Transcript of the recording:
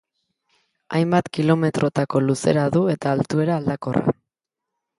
Hainbat kilometrotako luzera du eta altuera aldakorra.